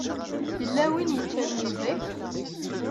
Yella win yeččan yid-k?